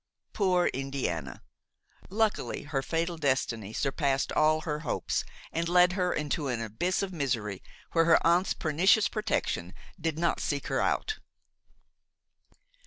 Poor Indiana! luckily her fatal destiny surpassed all her hopes and led her into an abyss of misery where her aunt's pernicious protection did not seek her out.